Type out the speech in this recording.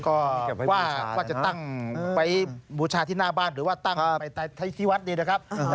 ก็ว่าจะตั้งไปบูชาที่หน้าบ้านหรือว่าตั้งที่วัดนี้นะครับ